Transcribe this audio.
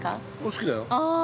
◆好きだよ。